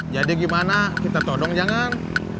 jadi gimana kita todong jangan